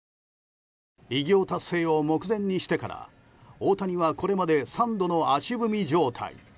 偉業達成を目前にしてから大谷はこれまで３度の足踏み状態。